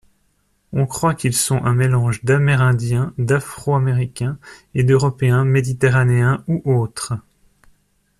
On croit qu’ils sont un mélange d’amérindiens, d’afro-américains et d’européens méditerranéens ou autres.